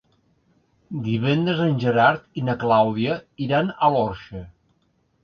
Divendres en Gerard i na Clàudia iran a l'Orxa.